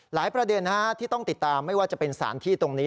ประเด็นที่ต้องติดตามไม่ว่าจะเป็นสารที่ตรงนี้